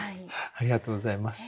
ありがとうございます。